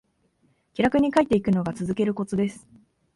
気楽に書いていくのが続けるコツです